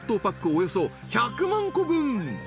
およそ１００万個分！